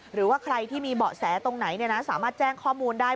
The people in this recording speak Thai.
หรือว่าใครที่มีเบาะแสตรงไหนสามารถแจ้งข้อมูลได้